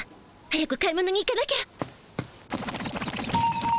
早く買い物に行かなきゃ。